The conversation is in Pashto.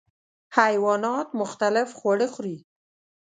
حیوانات مختلف خواړه خوري.